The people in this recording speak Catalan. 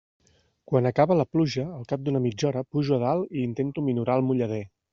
Quan acaba la pluja, al cap d'una mitja hora, pujo a dalt i intento minorar el mullader.